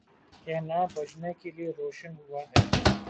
کہ نہ بجھنے کے لیے روشن ہوا ہے۔